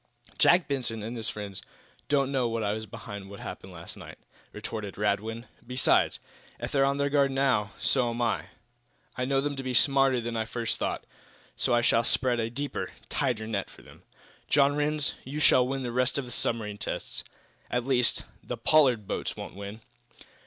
"Jack Benson and his friends don't know that I was behind what happened last night," retorted Radwin. "Besides, if they're on their guard, now, so am I. I know them to be smarter than I first thought, so I shall spread a deeper, tighter net for them. John Rhinds, you shall win the rest of the submarine tests. At least, the Pollard boats won't win!"